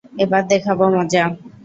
এবার দেখাবো মজা।